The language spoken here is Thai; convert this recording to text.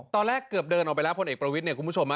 ตอนแรกเกือบเดินออกไปแล้วพลเอกประวิทย์เนี่ยคุณผู้ชม